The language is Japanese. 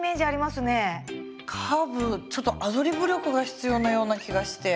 ちょっとアドリブ力が必要なような気がして。